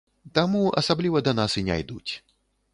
Таму асабліва да нас і не ідуць.